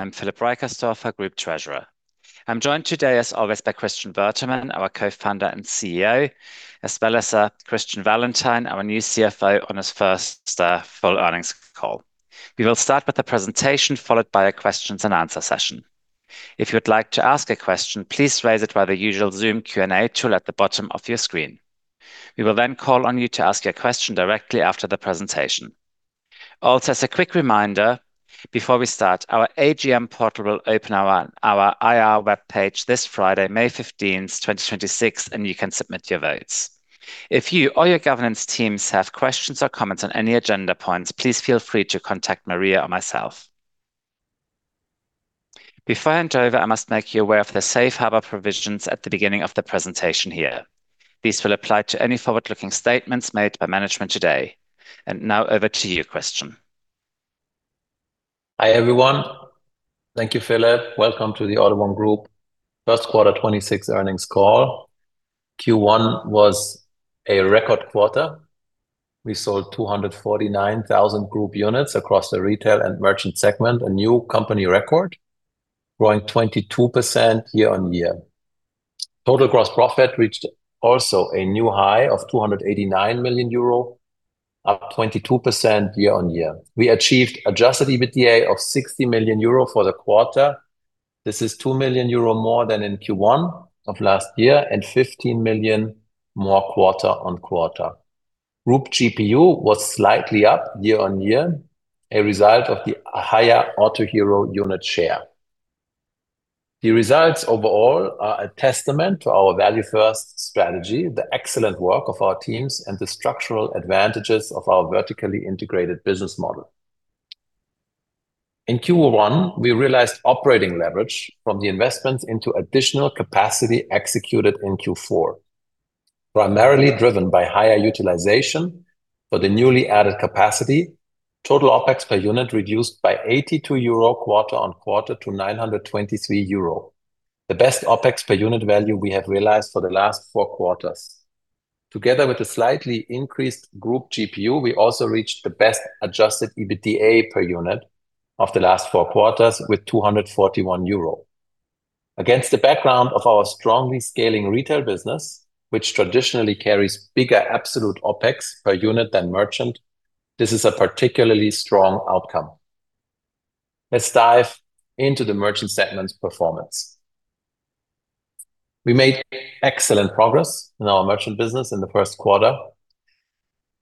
I'm Philip Reicherstorfer, Group Treasurer. I'm joined today as always by Christian Bertermann, our Co-founder and CEO, as well as Christian Wallentin, our new CFO on his first full earnings call. We will start with a presentation, followed by a questions and answer session. If you would like to ask a question, please raise it by the usual Zoom Q&A tool at the bottom of your screen. We will call on you to ask your question directly after the presentation. As a quick reminder before we start, our AGM portal will open our IR web page this Friday, May 15th, 2026, and you can submit your votes. If you or your governance teams have questions or comments on any agenda points, please feel free to contact Maria or myself. Before I hand over, I must make you aware of the safe harbor provisions at the beginning of the presentation here. These will apply to any forward-looking statements made by management today. Now over to you, Christian. Hi, everyone. Thank you, Philip. Welcome to the AUTO1 Group first quarter 2026 earnings call. Q1 was a record quarter. We sold 249,000 group units across the retail and merchant segment, a new company record, growing 22% year-on-year. Total gross profit reached also a new high of 289 million euro, up 22% year-on-year. We achieved adjusted EBITDA of 60 million euro for the quarter. This is 2 million euro more than in Q1 of last year and 15 million more quarter-on-quarter. Group GPU was slightly up year-on-year, a result of the higher Autohero unit share. The results overall are a testament to our value-first strategy, the excellent work of our teams, and the structural advantages of our vertically integrated business model. In Q1, we realized operating leverage from the investments into additional capacity executed in Q4. Primarily driven by higher utilization for the newly added capacity, total OpEx per unit reduced by 82 euro quarter-over-quarter to 923 euro. The best OpEx per unit value we have realized for the last four quarters. Together, with a slightly increased group GPU, we also reached the best adjusted EBITDA per unit of the last four quarters with 241 euro. Against the background of our strongly scaling retail business, which traditionally carries bigger absolute OpEx per unit than merchant, this is a particularly strong outcome. Let's dive into the merchant segment's performance. We made excellent progress in our merchant business in the first quarter.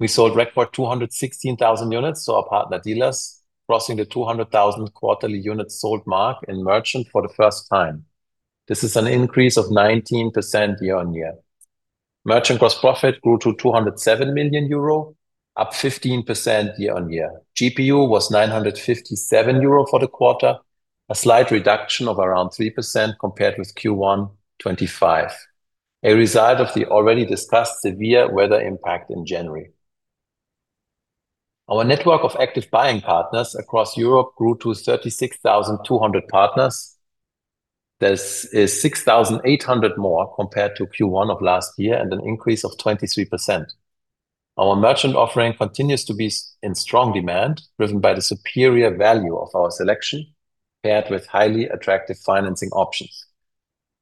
We sold record 216,000 units to our partner dealers, crossing the 200,000 quarterly units sold mark in merchant for the first time. This is an increase of 19% year-over-year. Merchant gross profit grew to 207 million euro, up 15% year-over-year. GPU was 957 euro for the quarter, a slight reduction of around 3% compared with Q1 2025, a result of the already discussed severe weather impact in January. Our network of active buying partners across Europe grew to 36,200 partners. This is 6,800 more compared to Q1 of last year and an increase of 23%. Our merchant offering continues to be in strong demand, driven by the superior value of our selection, paired with highly attractive financing options.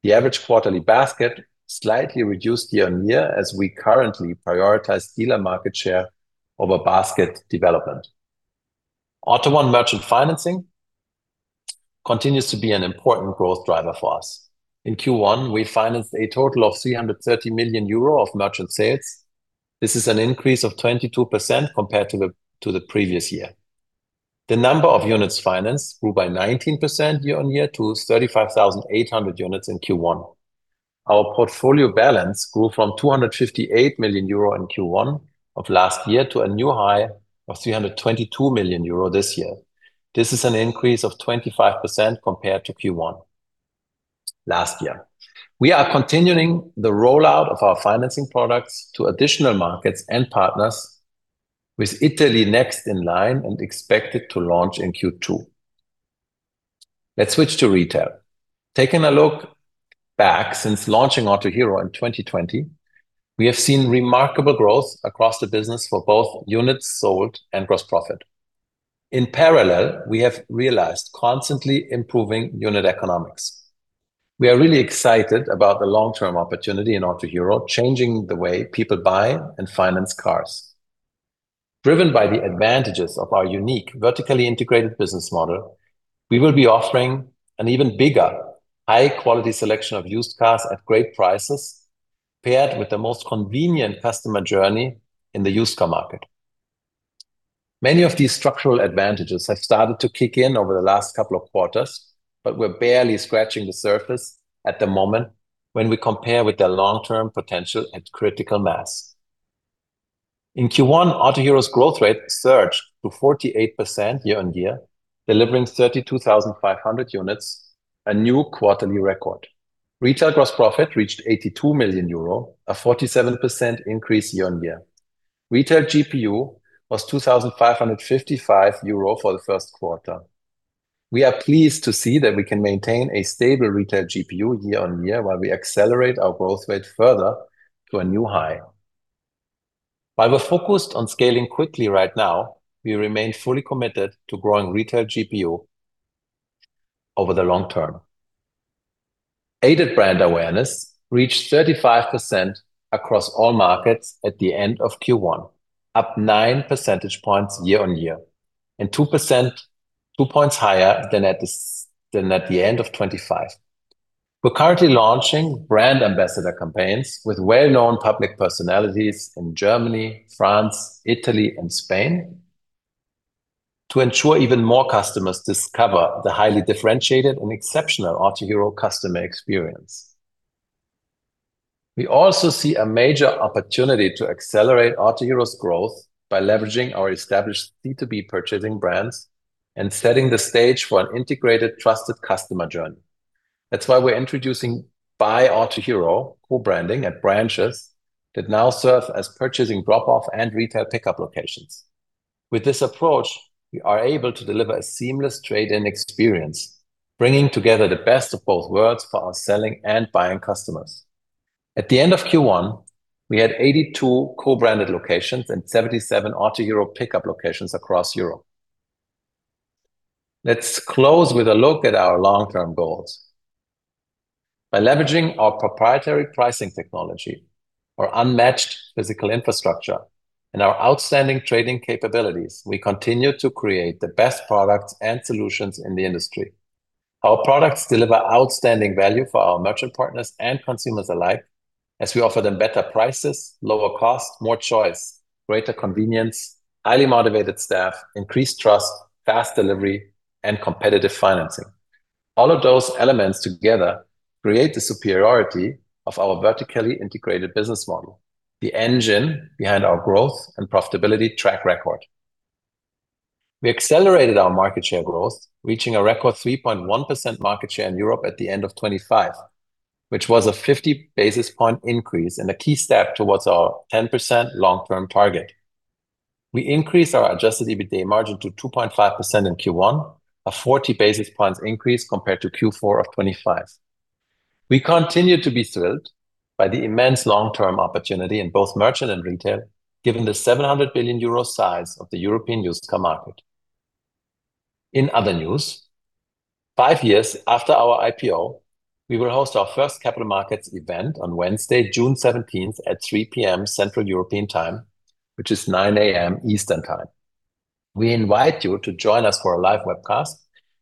The average quarterly basket slightly reduced year-over-year as we currently prioritize dealer market share over basket development. AUTO1 merchant financing continues to be an important growth driver for us. In Q1, we financed a total of 330 million euro of merchant sales. This is an increase of 22% compared to the previous year. The number of units financed grew by 19% year-over-year to 35,800 units in Q1. Our portfolio balance grew from 258 million euro in Q1 of last year to a new high of 322 million euro this year. This is an increase of 25% compared to Q1 last year. We are continuing the rollout of our financing products to additional markets and partners, with Italy next in line and expected to launch in Q2. Let's switch to retail. Taking a look back since launching Autohero in 2020, we have seen remarkable growth across the business for both units sold and gross profit. In parallel, we have realized constantly improving unit economics. We are really excited about the long-term opportunity in Autohero changing the way people buy and finance cars. Driven by the advantages of our unique vertically integrated business model, we will be offering an even bigger, high-quality selection of used cars at great prices, paired with the most convenient customer journey in the used car market. Many of these structural advantages have started to kick in over the last couple of quarters, but we're barely scratching the surface at the moment when we compare with the long-term potential at critical mass. In Q1, Autohero's growth rate surged to 48% year-on-year, delivering 32,500 units, a new quarterly record. Retail gross profit reached 82 million euro, a 47% increase year-on-year. Retail GPU was 2,555 euro for the first quarter. We are pleased to see that we can maintain a stable retail GPU year-on-year while we accelerate our growth rate further to a new high. While we're focused on scaling quickly right now, we remain fully committed to growing retail GPU over the long term. Aided brand awareness reached 35% across all markets at the end of Q1, up 9 percentage points year-on-year, and 2% points higher than at the end of 2025. We're currently launching brand ambassador campaigns with well-known public personalities in Germany, France, Italy, and Spain to ensure even more customers discover the highly differentiated and exceptional Autohero customer experience. We also see a major opportunity to accelerate Autohero's growth by leveraging our established C2B purchasing brands and setting the stage for an integrated, trusted customer journey. That's why we're introducing Buy Autohero co-branding at branches that now serve as purchasing drop-off and retail pickup locations. With this approach, we are able to deliver a seamless trade-in experience, bringing together the best of both worlds for our selling and buying customers. At the end of Q1, we had 82 co-branded locations and 77 Autohero pickup locations across Europe. Let's close with a look at our long-term goals. By leveraging our proprietary pricing technology, our unmatched physical infrastructure, and our outstanding trading capabilities, we continue to create the best products and solutions in the industry. Our products deliver outstanding value for our merchant partners and consumers alike as we offer them better prices, lower cost, more choice, greater convenience, highly motivated staff, increased trust, fast delivery, and competitive financing. All of those elements together create the superiority of our vertically integrated business model, the engine behind our growth and profitability track record. We accelerated our market share growth, reaching a record 3.1% market share in Europe at the end of 2025, which was a 50 basis points increase and a key step towards our 10% long-term target. We increased our adjusted EBITDA margin to 2.5% in Q1, a 40 basis points increase compared to Q4 of 2025. We continue to be thrilled by the immense long-term opportunity in both merchant and retail, given the 700 billion euro size of the European used car market. In other news, five years after our IPO, we will host our first capital markets event on Wednesday, June 17th at 3:00 P.M. Central European Time, which is 9:00 A.M. Eastern Time. We invite you to join us for a live webcast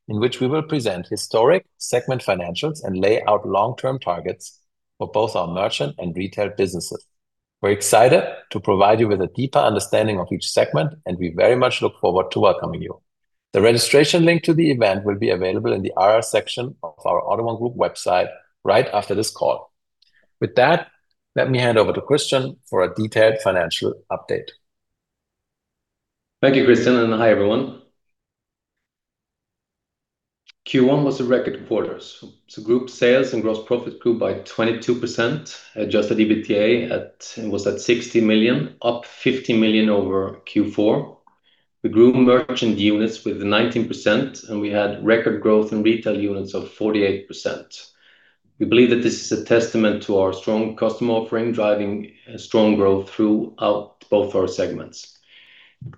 in which we will present historic segment financials and lay out long-term targets for both our merchant and retail businesses. We're excited to provide you with a deeper understanding of each segment, we very much look forward to welcoming you. The registration link to the event will be available in the IR section of our AUTO1 Group website right after this call. With that, let me hand over to Christian for a detailed financial update. Thank you, Christian. Hi, everyone. Q1 was a record quarter. Group sales and gross profit grew by 22%. Adjusted EBITDA was 60 million, up 50 million over Q4. We grew merchant units with 19%. We had record growth in retail units of 48%. We believe that this is a testament to our strong customer offering, driving strong growth throughout both our segments.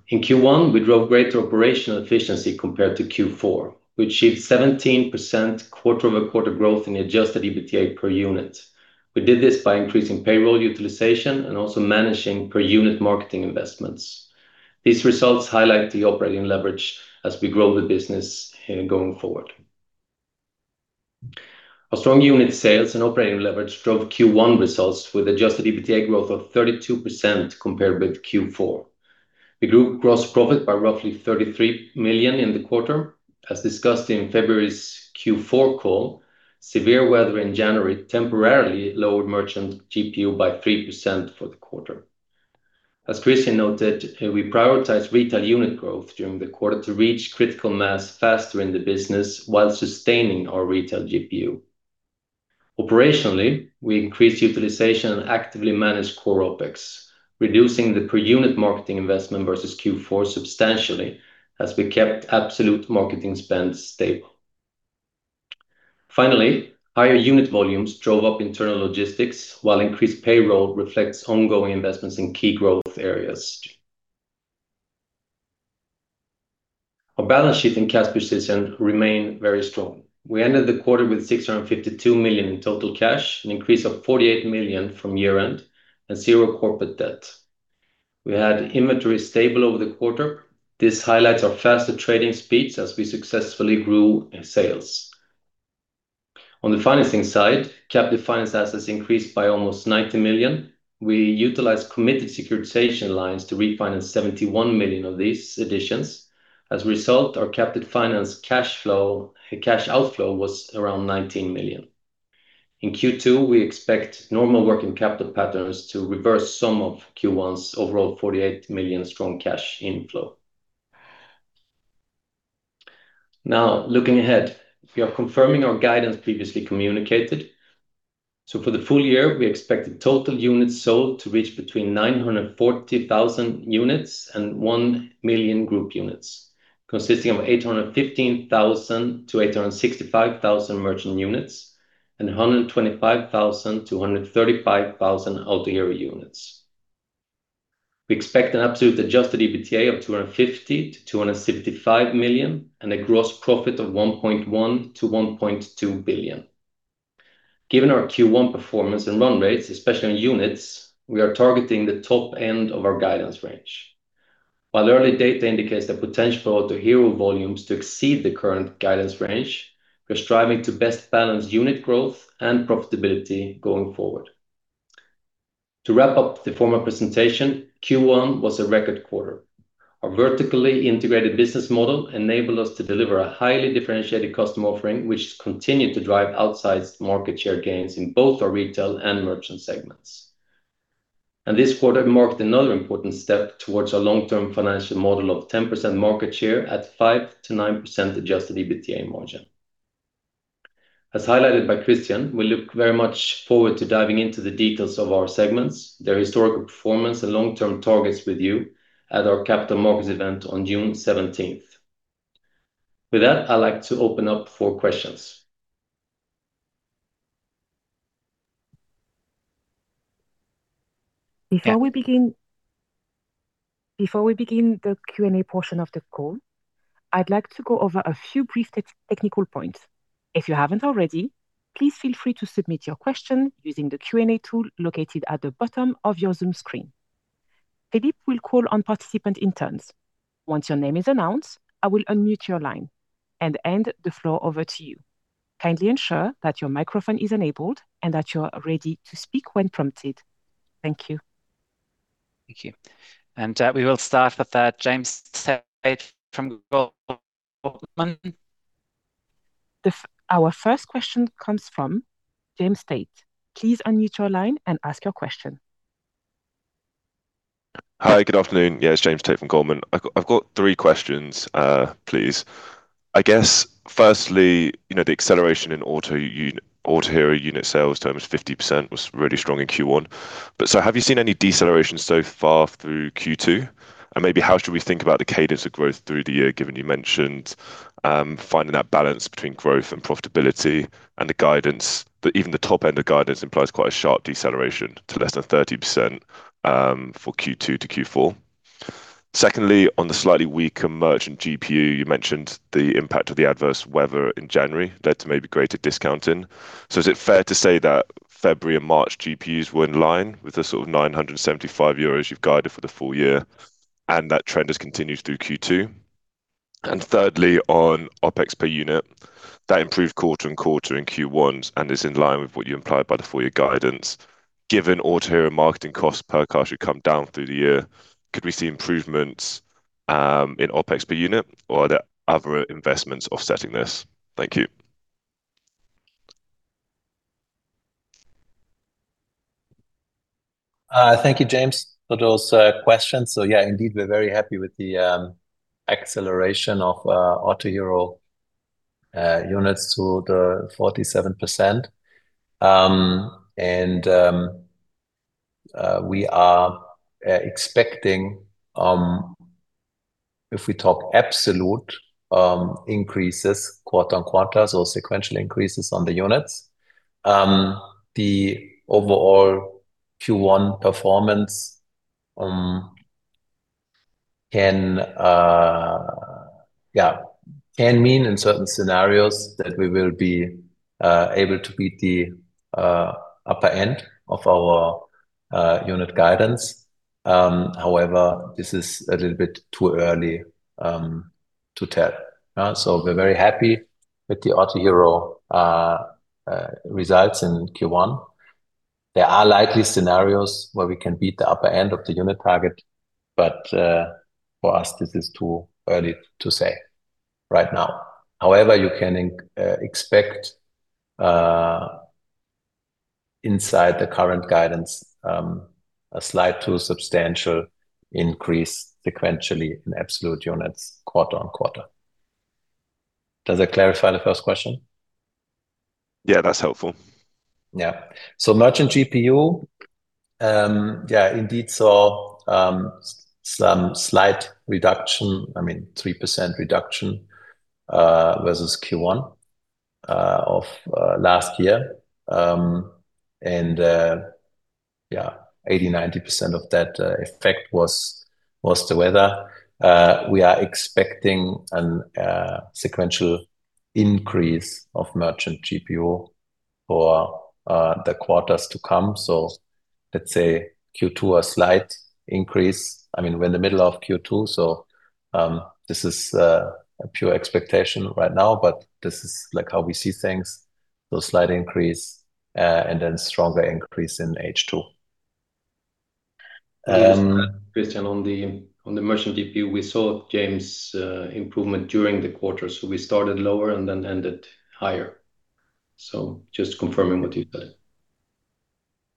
In Q1, we drove greater operational efficiency compared to Q4. We achieved 17% quarter-over-quarter growth in adjusted EBITDA per unit. We did this by increasing payroll utilization and also managing per-unit marketing investments. These results highlight the operating leverage as we grow the business here going forward. Our strong unit sales and operating leverage drove Q1 results with adjusted EBITDA growth of 32% compared with Q4. We grew gross profit by roughly 33 million in the quarter. As discussed in February's Q4 call, severe weather in January temporarily lowered merchant GPU by 3% for the quarter. As Christian noted, we prioritized retail unit growth during the quarter to reach critical mass faster in the business while sustaining our retail GPU. Operationally, we increased utilization and actively managed core OpEx, reducing the per-unit marketing investment versus Q4 substantially as we kept absolute marketing spend stable. Finally, higher unit volumes drove up internal logistics, while increased payroll reflects ongoing investments in key growth areas. Our balance sheet and cash position remain very strong. We ended the quarter with 652 million in total cash, an increase of 48 million from year-end and zero corporate debt. We had inventory stable over the quarter. This highlights our faster trading speeds as we successfully grew in sales. On the financing side, captive finance assets increased by almost 90 million. We utilized committed securitization lines to refinance 71 million of these additions. As a result, our captive finance cash flow, cash outflow was around 19 million. In Q2, we expect normal working capital patterns to reverse some of Q1's overall 48 million strong cash inflow. Looking ahead, we are confirming our guidance previously communicated. For the full year, we expect the total units sold to reach between 940,000 units and 1 million group units, consisting of 815,000 to 865,000 merchant units and 125,000 to 135,000 Autohero units. We expect an absolute adjusted EBITDA of 250 million to 275 million, and a gross profit of 1.1 billion to 1.2 billion. Given our Q1 performance and run rates, especially on units, we are targeting the top end of our guidance range. While early data indicates the potential for Autohero volumes to exceed the current guidance range, we're striving to best balance unit growth and profitability going forward. To wrap up the formal presentation, Q1 was a record quarter. Our vertically integrated business model enabled us to deliver a highly differentiated customer offering, which has continued to drive outsized market share gains in both our retail and merchant segments. This quarter marked another important step towards our long-term financial model of 10% market share at 5%-9% adjusted EBITDA margin. As highlighted by Christian, we look very much forward to diving into the details of our segments, their historical performance and long-term targets with you at our capital markets event on June 17th. With that, I'd like to open up for questions. Before we begin the Q&A portion of the call, I'd like to go over a few brief technical points. If you haven't already, please feel free to submit your question using the Q&A tool located at the bottom of your Zoom screen. Philip will call on participants. Once your name is announced, I will unmute your line and hand the floor over to you. Kindly ensure that your microphone is enabled and that you are ready to speak when prompted. Thank you. Thank you. We will start with James Tate from Goldman. Our first question comes from James Tate. Please unmute your line and ask your question. Hi, good afternoon. It's James Tate from Goldman. I've got three questions, please. I guess, firstly, you know, the acceleration in Autohero unit sales terms 50% was really strong in Q1. Have you seen any deceleration so far through Q2? Maybe how should we think about the cadence of growth through the year, given you mentioned finding that balance between growth and profitability and the guidance, but even the top end of guidance implies quite a sharp deceleration to less than 30% for Q2 to Q4. Secondly, on the slightly weaker merchant GPU, you mentioned the impact of the adverse weather in January led to maybe greater discounting. Is it fair to say that February and March GPUs were in line with the sort of 975 euros you've guided for the full year, and that trend has continued through Q2? Thirdly, on OpEx per unit, that improved quarter and quarter in Q1 and is in line with what you implied by the full year guidance. Given Autohero marketing costs per car should come down through the year, could we see improvements in OpEx per unit or are there other investments offsetting this? Thank you. Thank you, James, for those questions. Yeah, indeed, we're very happy with the acceleration of Autohero units to the 47%. We are expecting, if we talk absolute increases quarter on quarters or sequential increases on the units, the overall Q1 performance can, yeah, can mean in certain scenarios that we will be able to beat the upper end of our unit guidance. However, this is a little bit too early to tell. We're very happy with the Autohero results in Q1. There are likely scenarios where we can beat the upper end of the unit target, but for us, this is too early to say right now. However, you can expect inside the current guidance, a slight to substantial increase sequentially in absolute units quarter on quarter. Does that clarify the first question? Yeah, that's helpful. Merchant GPU, indeed, saw some slight reduction. I mean, 3% reduction versus Q1 of last year. 80%-90% of that effect was the weather. We are expecting a sequential increase of merchant GPU for the quarters to come. Let's say Q2, a slight increase. I mean, we're in the middle of Q2, so this is a pure expectation right now, but this is like how we see things, so slight increase, and then stronger increase in H2. Just, Christian, on the merchant GPU, we saw James' improvement during the quarter. We started lower and then ended higher. Just confirming what you said.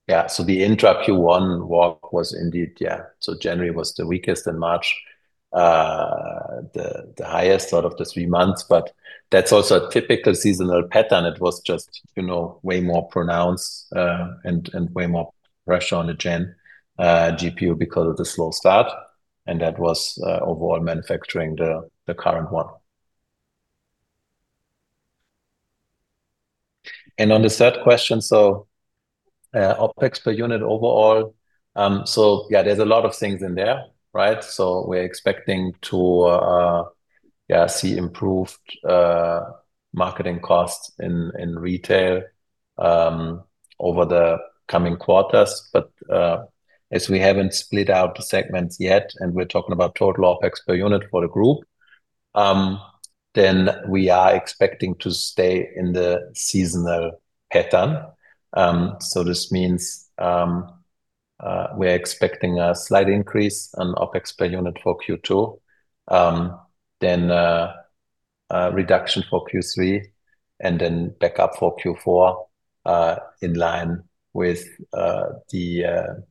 Yeah. The intra Q1 walk was indeed. January was the weakest and March the highest out of the three months. That's also a typical seasonal pattern. It was just, you know, way more pronounced and way more pressure on the January GPU because of the slow start. That was overall manufacturing the current one. On the third question, OpEx per unit overall. There's a lot of things in there, right? We're expecting to see improved marketing costs in retail over the coming quarters. As we haven't split out the segments yet, and we're talking about total OpEx per unit for the group, we are expecting to stay in the seasonal pattern. This means we're expecting a slight increase on OpEx per unit for Q2, then a reduction for Q3 and then back up for Q4, in line with the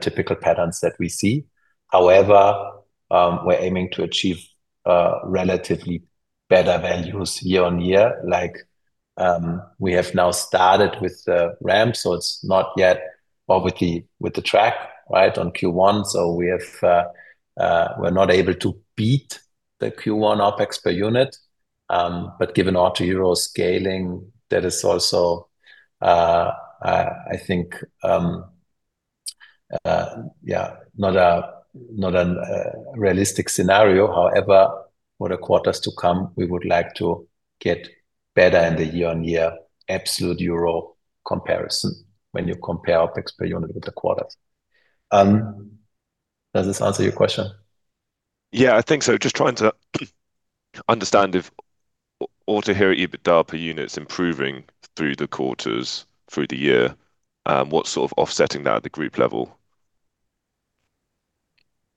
typical patterns that we see. However, we're aiming to achieve relatively better values year-on-year. Like, we have now started with the ramp, so it's not yet obviously with the track, right, on Q1. We're not able to beat the Q1 OpEx per unit. Given Autohero scaling, that is also, I think, not a realistic scenario. However, for the quarters to come, we would like to get better in the year-on-year absolute euro comparison when you compare OpEx per unit with the quarters. Does this answer your question? Yeah, I think so. Just trying to understand if Autohero EBITDA per unit's improving through the quarters, through the year, what's sort of offsetting that at the group level?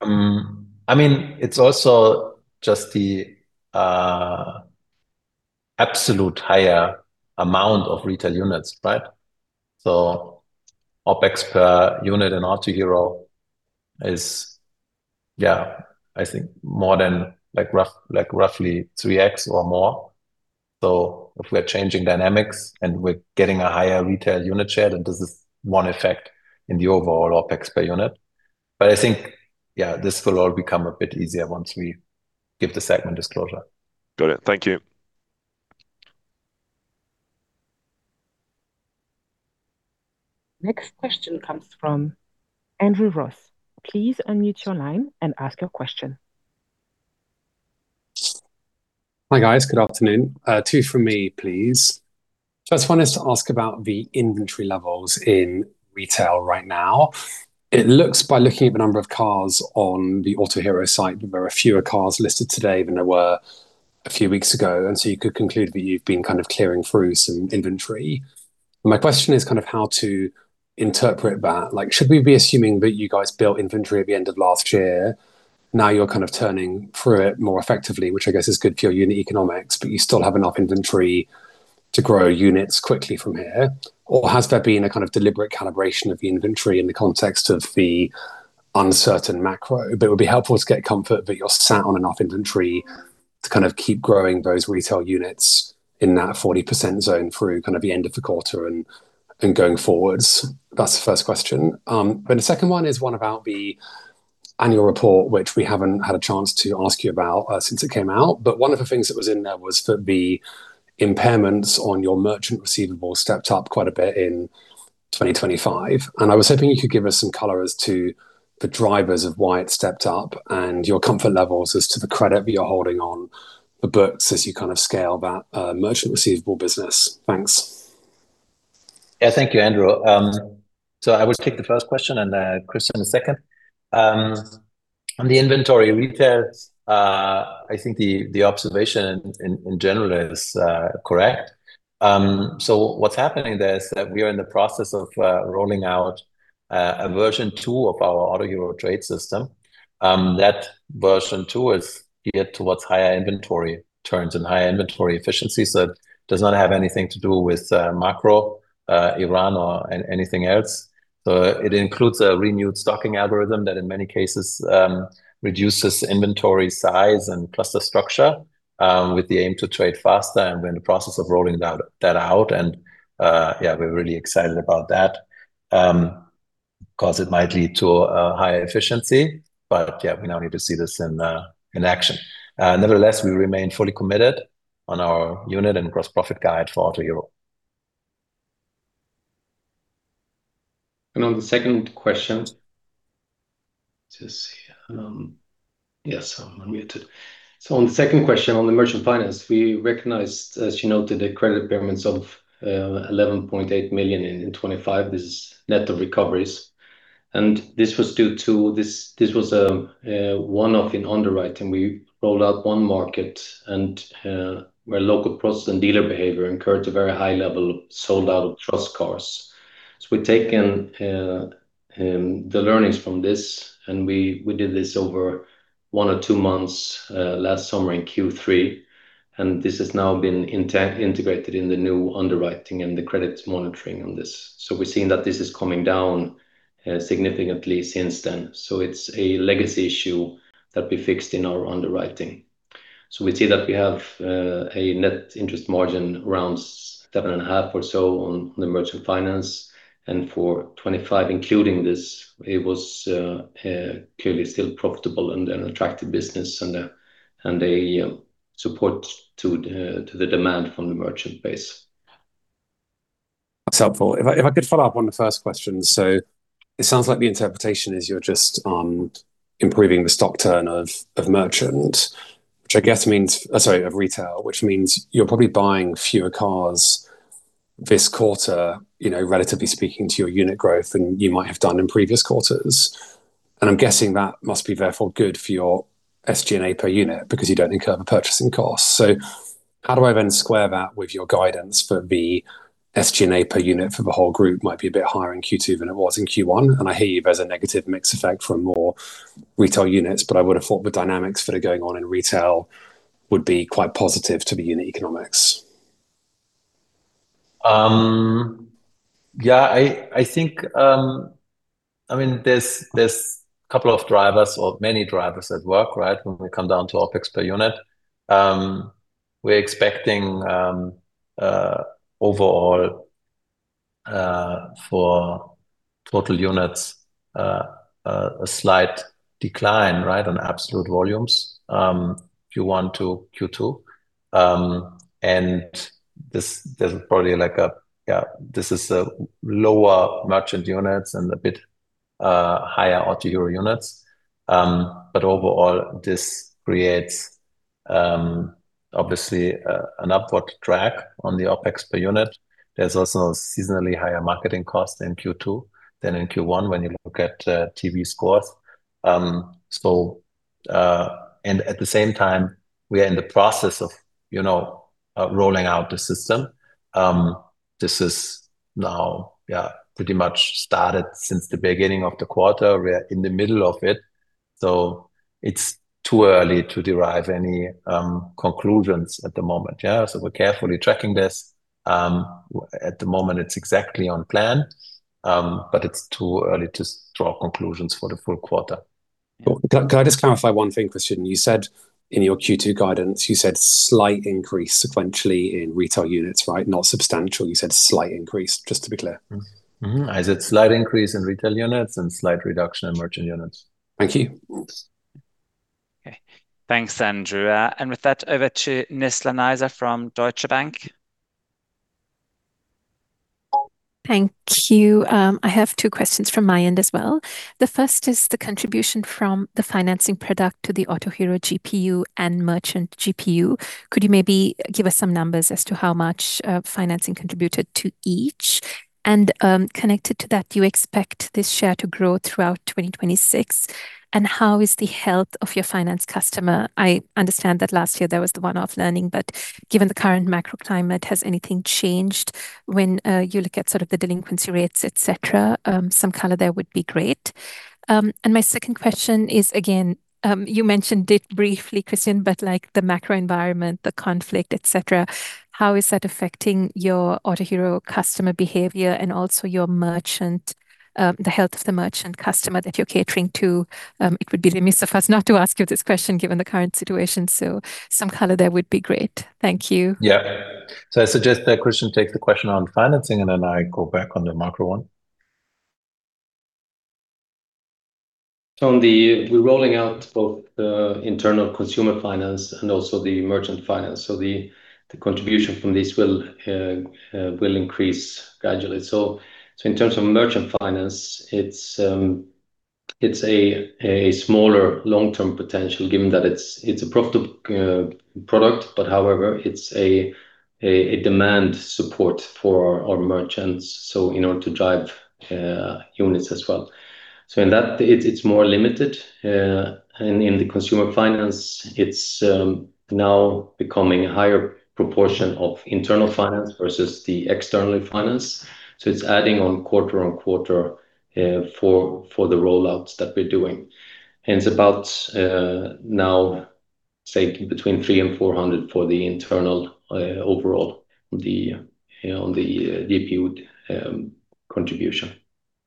I mean it's also just the absolute higher amount of retail units, right? OpEx per unit in Autohero is, I think more than like roughly 3x or more. If we are changing dynamics and we're getting a higher retail unit share, then this is one effect in the overall OpEx per unit. I think this will all become a bit easier once we give the segment disclosure. Got it. Thank you. Next question comes from Andrew Ross. Please unmute your line and ask your question. Hi guys. Good afternoon. Two from me, please. I just wanted to ask about the inventory levels in retail right now. It looks by looking at the number of cars on the Autohero site, there are fewer cars listed today than there were a few weeks ago. You could conclude that you've been kind of clearing through some inventory. My question is kind of how to interpret that. Like, should we be assuming that you guys built inventory at the end of last year, now you're kind of turning through it more effectively, which I guess is good for your unit economics, but you still have enough inventory to grow units quickly from here? Has there been a kind of deliberate calibration of the inventory in the context of the uncertain macro? It would be helpful to get comfort that you're sat on enough inventory to kind of keep growing those retail units in that 40% zone through kind of the end of the quarter and going forwards. That's the first question. The second one is one about the annual report, which we haven't had a chance to ask you about since it came out. One of the things that was in there was that the impairments on your merchant receivables stepped up quite a bit in 2025, and I was hoping you could give us some color as to the drivers of why it stepped up and your comfort levels as to the credit that you're holding on the books as you kind of scale that merchant receivable business. Thanks. Yeah. Thank you, Andrew. I will take the first question and Christian the second. On the inventory retail, I think the observation in general is correct. What's happening there is that we are in the process of rolling out a version two of our Autohero trade system. That version two is geared towards higher inventory turns and higher inventory efficiency. It does not have anything to do with macro, Iran or anything else. It includes a renewed stocking algorithm that in many cases reduces inventory size and cluster structure with the aim to trade faster. We're in the process of rolling that out, and yeah, we're really excited about that 'cause it might lead to higher efficiency. Yeah, we now need to see this in action. Nevertheless, we remain fully committed on our unit and gross profit guide for Autohero. On the second question, Yes, I'm unmuted. On the second question on the merchant finance, we recognized, as you noted, the credit impairments of 11.8 million in 2025. This is net of recoveries. This was due to this. This was one of in underwriting. We rolled out one market where local process and dealer behavior incurred a very high level of Sold out of trust cars. We've taken the learnings from this. We did this over one or two months last summer in Q3. This has now been integrated in the new underwriting and the credit monitoring on this. We're seeing that this is coming down significantly since then. It's a legacy issue that we fixed in our underwriting. We see that we have a net interest margin around 7.5 or so on the merchant finance. For 2025, including this, it was clearly still profitable and an attractive business and a support to the demand from the merchant base. That's helpful. If I could follow up on the first question. It sounds like the interpretation is you're just improving the stock turn of merchant, which I guess Sorry, of retail, which means you're probably buying fewer cars this quarter, you know, relatively speaking, to your unit growth than you might have done in previous quarters. I'm guessing that must be therefore good for your SG&A per unit because you don't incur the purchasing costs. How do I then square that with your guidance for the SG&A per unit for the whole group might be a bit higher in Q2 than it was in Q1, and I hear you, there's a negative mix effect from more retail units, but I would have thought the dynamics that are going on in retail would be quite positive to the unit economics. Yeah, I think, I mean, there's a couple of drivers or many drivers at work, right? When we come down to OpEx per unit. We're expecting overall for total units a slight decline, right, on absolute volumes, Q1 to Q2. And this, there's probably Yeah, this is a lower merchant units and a bit higher Autohero units. Overall, this creates obviously an upward track on the OpEx per unit. There's also seasonally higher marketing costs in Q2 than in Q1 when you look at TV costs. At the same time, we are in the process of, you know, rolling out the system. This is now, yeah, pretty much started since the beginning of the quarter. We're in the middle of it, so it's too early to derive any conclusions at the moment, yeah. We're carefully tracking this. At the moment, it's exactly on plan, but it's too early to draw conclusions for the full quarter. Can I just clarify one thing, Christian? You said in your Q2 guidance, you said slight increase sequentially in retail units, right? Not substantial. You said slight increase, just to be clear. I said slight increase in retail units and slight reduction in merchant units. Thank you. Okay. Thanks, Andrew. With that, over to Nizla Naizer from Deutsche Bank. Thank you. I have two questions from my end as well. The first is the contribution from the financing product to the Autohero GPU and merchant GPU. Could you maybe give us some numbers as to how much financing contributed to each? Connected to that, you expect this share to grow throughout 2026, and how is the health of your finance customer? I understand that last year there was the one-off learning, but given the current macro climate, has anything changed when you look at sort of the delinquency rates, et cetera? Some color there would be great. My second question is, again, you mentioned it briefly, Christian, but like the macro environment, the conflict, et cetera, how is that affecting your Autohero customer behavior and also your merchant, the health of the merchant customer that you're catering to? It would be remiss of us not to ask you this question given the current situation, so some color there would be great. Thank you. Yeah. I suggest that Christian take the question on financing, and then I go back on the macro one. We're rolling out both the internal consumer finance and also the merchant finance. The contribution from this will increase gradually. In terms of merchant finance, it's a smaller long-term potential given that it's a profitable product, but however, it's a demand support for our merchants, in order to drive units as well. In that, it's more limited. In the consumer finance, it's now becoming a higher proportion of internal finance versus the external finance. It's adding on quarter on quarter for the rollouts that we're doing. It's about now, say between 300 and 400 for the internal, overall on the GPU contribution,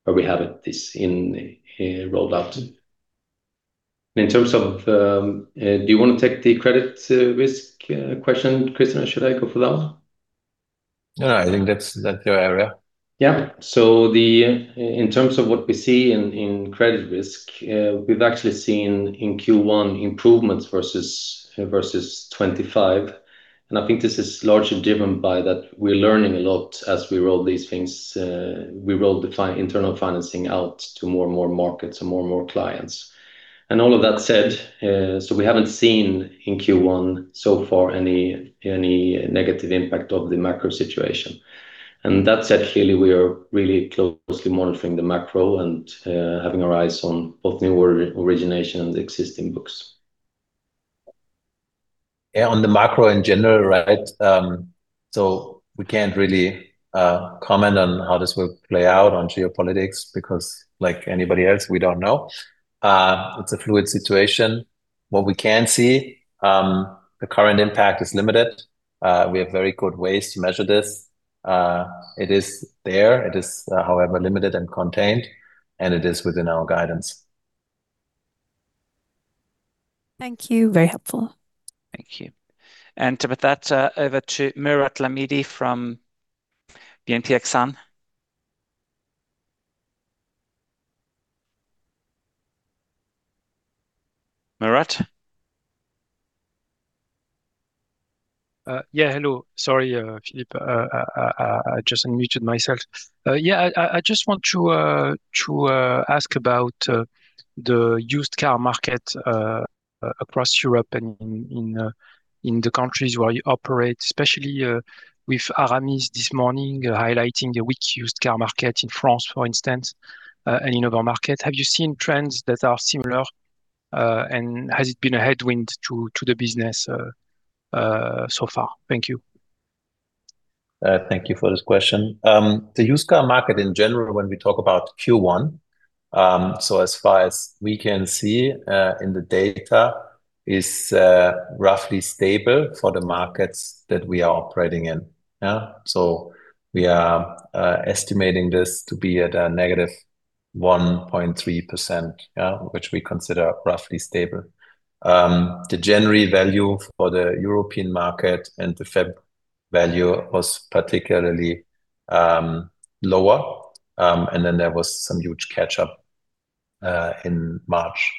where we have this in rolled out. In terms of, do you want to take the credit risk question, Christian, or should I go for that one? No, I think that's your area. In terms of what we see in credit risk, we've actually seen in Q1 improvements versus 25. I think this is largely driven by that we're learning a lot as we roll these things. We roll the internal financing out to more and more markets and more and more clients. All of that said, we haven't seen in Q1 so far any negative impact of the macro situation. That said, clearly, we are really closely monitoring the macro and having our eyes on both newer origination and existing books. Yeah, on the macro in general, right, we can't really comment on how this will play out on geopolitics because like anybody else, we don't know. It's a fluid situation. What we can see, the current impact is limited. We have very good ways to measure this. It is there. It is, however limited and contained, and it is within our guidance. Thank you. Very helpful. Thank you. With that, over to Mourad Lahmidi from BNP Exane. Mourad? Yeah, hello. Sorry, Philip. I just unmuted myself. Yeah, I just want to ask about the used car market across Europe and in the countries where you operate, especially with Aramis this morning highlighting a weak used car market in France, for instance, and in other markets. Have you seen trends that are similar? Has it been a headwind to the business so far? Thank you. Thank you for this question. The used car market in general when we talk about Q1, as far as we can see in the data, is roughly stable for the markets that we are operating in. Yeah? We are estimating this to be at a -1.3%, which we consider roughly stable. The January value for the European market and the Feb value was particularly lower. There was some huge catch-up in March.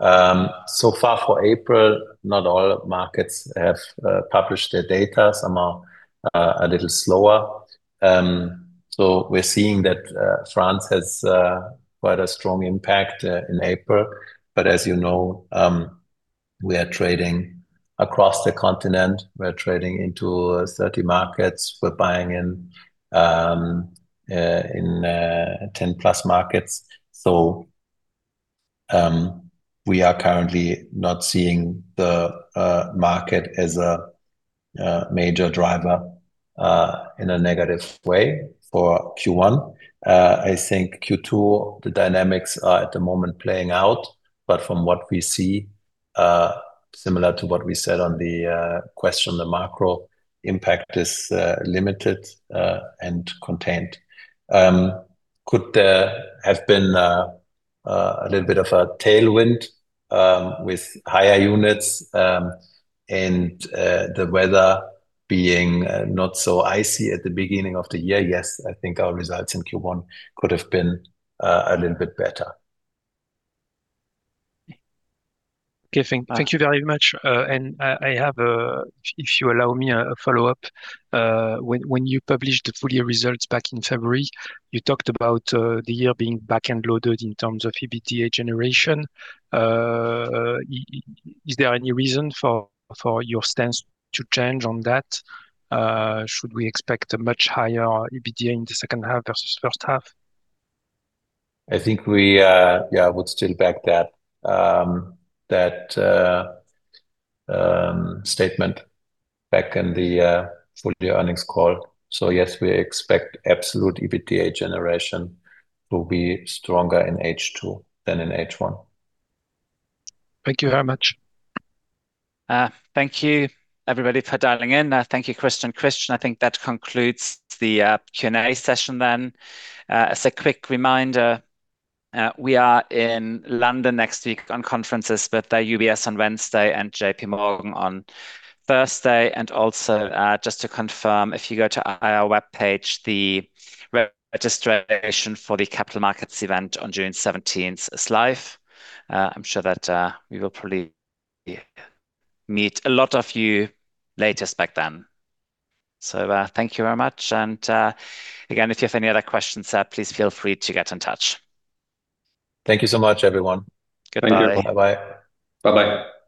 For April, not all markets have published their data. Some are a little slower. We're seeing that France has quite a strong impact in April. As you know, we are trading across the continent. We're trading into 30 markets. We're buying in in 10+ markets. We are currently not seeing the market as a major driver in a negative way for Q1. I think Q2, the dynamics are at the moment playing out. From what we see, similar to what we said on the question, the macro impact is limited and contained. Could there have been a little bit of a tailwind with higher units and the weather being not so icy at the beginning of the year? Yes, I think our results in Q1 could have been a little bit better. Okay. Thank you very much. I have a, if you allow me, a follow-up. When you published the full year results back in February, you talked about the year being back-end loaded in terms of EBITDA generation. Is there any reason for your stance to change on that? Should we expect a much higher EBITDA in the second half versus first half? I think we would still back that statement back in the full year earnings call. Yes, we expect absolute EBITDA generation to be stronger in H2 than in H1. Thank you very much. Thank you everybody for dialing in. Thank you Christian and Christian. I think that concludes the Q&A session then. As a quick reminder, we are in London next week on conferences with UBS on Wednesday and JPMorgan on Thursday. Also, just to confirm, if you go to our webpage, the registration for the Capital Markets Event on June 17th is live. I'm sure that we will probably meet a lot of you later back then. Thank you very much and again, if you have any other questions, please feel free to get in touch. Thank you so much everyone. Good night. Bye-bye.